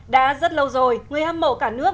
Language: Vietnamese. đã rất lâu rồi người hâm mộ cả nước